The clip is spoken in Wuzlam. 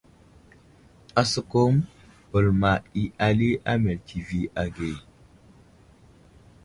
Asəkum bəlma i ali a meltivi age.